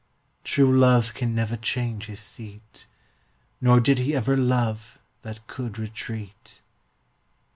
True love can never change his seat ; Nor did he ever love that can retreat.